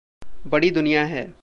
बड़ी दुनिया है।